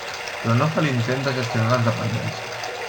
Però no fa l'intent de gestionar les dependències.